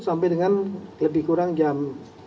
sampai dengan lebih kurang jam